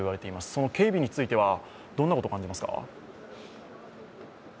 その警備についてはどんなことを感じますか？